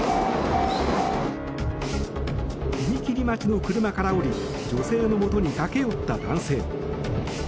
踏切待ちの車から降り女性のもとに駆け寄った男性。